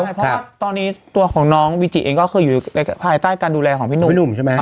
ไม่เพราะว่าตอนนี้ตัวของน้องวิจิเองก็คืออยู่ภายใต้การดูแลของพี่หนุ่ม